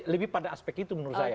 lebih pada aspek itu menurut saya